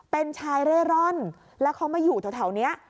เป็นชายเร่ร่อนแล้วเขามาอยู่แถวนี้